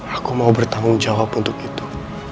aku mau bertanggung jawab untuk itu